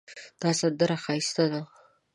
دا سندره ښایسته ده